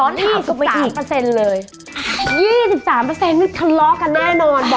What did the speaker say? ๒๓นึกทะเลาะกันแน่นอน